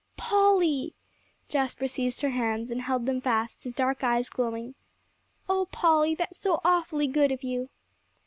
"Polly!" Jasper seized her hands, and held them fast, his dark eyes glowing. "Oh Polly, that's so awfully good of you!"